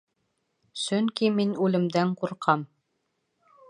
Сөнки мин үлемдән ҡурҡам.